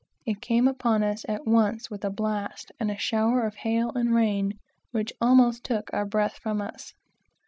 It came upon us at once with a blast, and a shower of hail and rain, which almost took our breath from us.